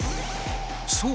そう。